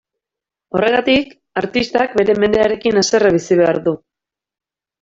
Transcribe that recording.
Horregatik, artistak bere mendearekin haserre bizi behar du.